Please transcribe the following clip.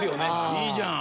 いいじゃん。